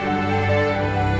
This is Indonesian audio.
dia berusia lima belas tahun